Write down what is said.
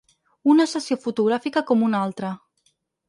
Una sessió fotogràfica com una altra.